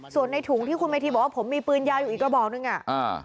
ส่วนในถุงที่คุณเมธีบอกว่าผมมีปืนยาวอยู่อีกกระบอกหนึ่งอ่ะอ่า